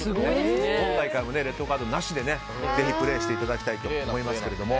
今大会もレッドカードなしでぜひプレーしていただきたいと思いますけれども。